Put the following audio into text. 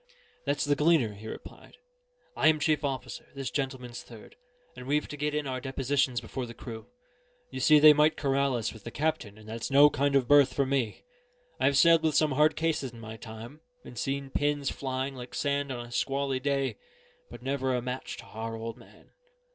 "That's the Gleaner," he replied. "I am chief officer, this gentleman's third; and we've to get in our depositions before the crew. You see they might corral us with the captain; and that's no kind of berth for me. I've sailed with some hard cases in my time, and seen pins flying like sand on a squally day but never a match to our old man.